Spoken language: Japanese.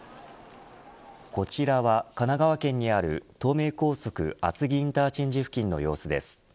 こちらは神奈川県にある東名高速厚木インターチェンジ付近の様子です。